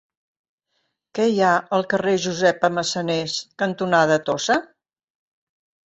Què hi ha al carrer Josepa Massanés cantonada Tossa?